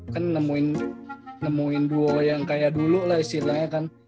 kan nemuin duo yang kayak dulu lah istilahnya kan